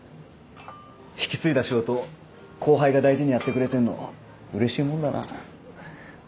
引き継いだ仕事を後輩が大事にやってくれてるのうれしいもんだな。